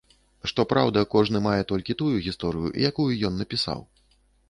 Што праўда, кожны мае толькі тую гісторыю, якую ён напісаў.